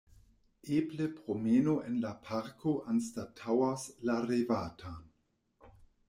Eble promeno en la parko anstataŭos la revatan.